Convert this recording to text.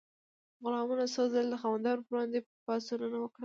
غلامانو څو ځلې د خاوندانو پر وړاندې پاڅونونه وکړل.